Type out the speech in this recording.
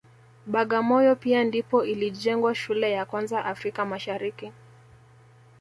Bagamoyo pia ndipo ilijengwa shule ya kwanza Afrika Mashariki